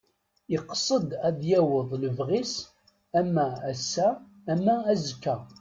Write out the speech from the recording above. Iqsed ad yaweḍ lebɣi-s ama ass-a ama azekka.